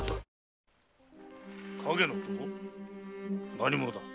何者だ？